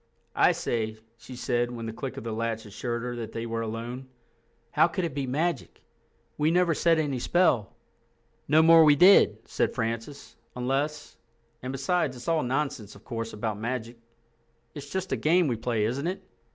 "I say," she said when the click of the latch assured her that they were alone, "how could it be magic? We never said any spell." "No more we did," said Francis, "unless—And besides, it's all nonsense, of course, about magic. It's just a game we play, isn't it?"